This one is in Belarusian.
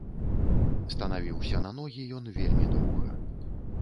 Станавіўся на ногі ён вельмі доўга.